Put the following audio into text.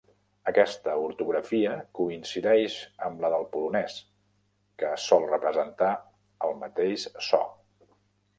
Aquesta ortografia coincideix amb la del polonès, que sol representar el mateix so.